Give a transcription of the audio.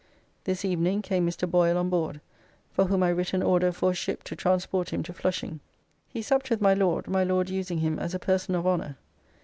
This evening came Mr. Boyle on board, for whom I writ an order for a ship to transport him to Flushing. He supped with my Lord, my Lord using him as a person of honour.